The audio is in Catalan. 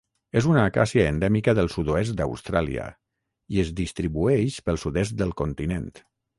És una acàcia endèmica del sud-oest d'Austràlia i es distribueix pel sud-est del continent.